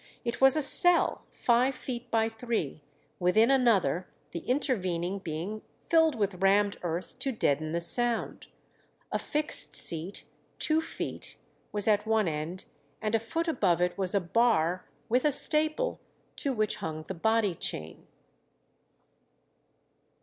It was a cell five feet by three, within another, the intervening being filled with rammed earth to deaden the sound. A fixed seat, two feet, was at one end, and a foot above it was a bar with a staple, to which hung the body chain.